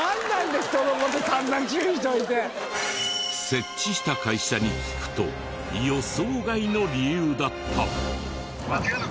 設置した会社に聞くと予想外の理由だった。